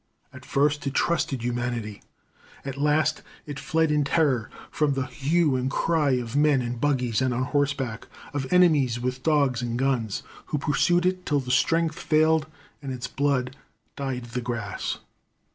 At first it trusted humanity; at last it fled in terror from the hue and cry of men in buggies and on horseback, of enemies with dogs and guns, who pursued it till strength failed and its blood dyed the grass.